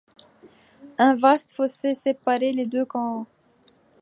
Un vaste fossé séparait les deux camps.